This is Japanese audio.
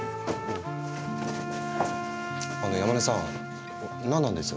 あの山根さん何なんです？